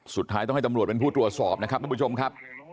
สุดท้ายต้องให้ตำรวจเป็นผู้ตัวสอบนะครับค่ะ